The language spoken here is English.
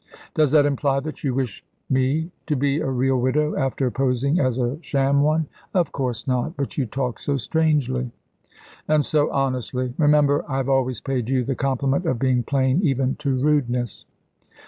"Does that imply that you wish me to be a real widow, after posing as a sham one?" "Of course not; but you talk so strangely." "And so honestly. Remember, I have always paid you the compliment of being plain even to rudeness."